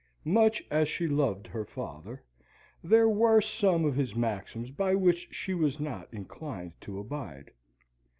Much as she loved her father, there were some of his maxims by which she was not inclined to abide.